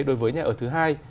đối với nhà ở thứ hai